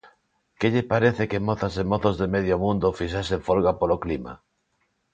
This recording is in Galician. Que lle parece que mozas e mozos de medio mundo fixesen folga polo clima?